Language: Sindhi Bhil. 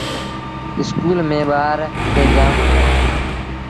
اسڪول ميݩ ٻآر با جآم اوهيݩ ۔